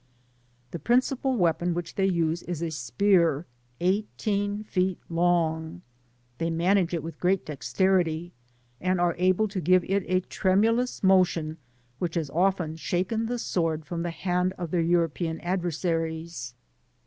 The principal weapon which they use is a spear eighteen feet long ; they manage it with great dexterity, and are able to give it a tremulous motion which has ofteti shaken the sword from the hand of their Eiirqpelui adversaries.